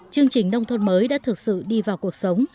chương trình nông thôn mới đã thực sự đi vào cuộc sống